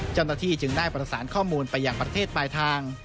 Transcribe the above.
เจ้าหน้าที่จึงได้ประสานข้อมูลไปอย่างประเทศปลายทาง